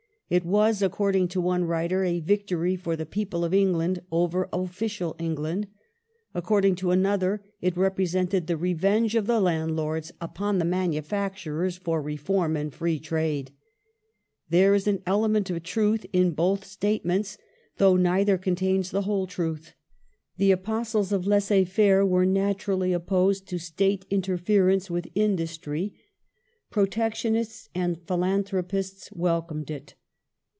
It was, according to one writer, " a victory of the people of England over official England ";^ according to another, it represented " the revenge of the landlords upon the manufacturers for reform and free trade ". There is an element of truth in both statements, though neither contains the whole truth. The apostles of laisser faire were naturally opposed to State ^ interference with industry ; protectionists and philanthropists ^ welcomed it.